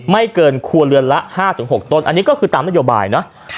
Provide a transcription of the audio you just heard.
ไม่เกินครัวเรือนละ๕๖ต้นอันนี้ก็คือตามนโยบายเนาะ